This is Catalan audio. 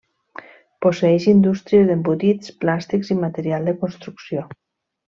Posseeix indústries d'embotits, plàstics i material de construcció.